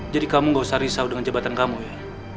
jadi kamu gak usah risau dengan jabatan kamu ya